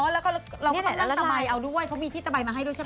อ๋อแล้วก็เราก็ต้องนั่งตะไบเอาด้วยเขามีที่ตะไบมาให้ด้วยใช่ปะ